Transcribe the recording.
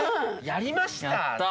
やりました。